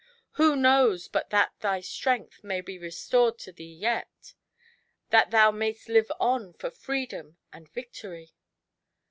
Who knows but that thy strength may be re stored to thee yet, that thou mayst live on for freedom and victory!"